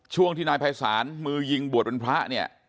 ช่วงที่นายภัยศาลมือยิงบวชเป็นพระเนี่ย